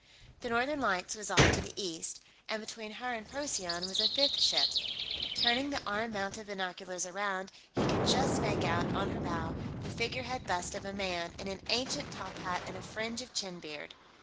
The Northern Lights was off to the east, and between her and Procyon was a fifth ship; turning the arm mounted binoculars around, he could just make out, on her bow, the figurehead bust of a man in an ancient tophat and a fringe of chin beard.